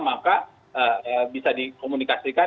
maka bisa dikomunikasikan